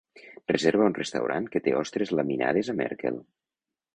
reserva un restaurant que té ostres laminades a Merkel